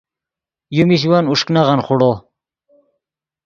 یو میش ون اوݰک نغن خوڑو